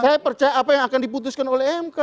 saya percaya apa yang akan diputuskan oleh mk